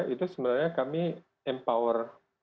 itu sebenarnya kami empower